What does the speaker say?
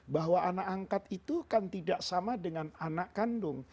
bahwa anak angkat itu kan tidak sama dengan anak kandung